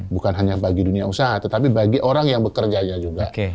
bukan hanya bagi dunia usaha tetapi bagi orang yang bekerjanya juga